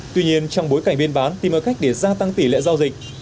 tuy nhiên trong bối cảnh biên bán tìm ra cách để gia tăng tỷ lệ giao dịch